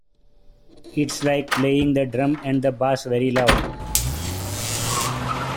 It's like playing the drum and bass very loud.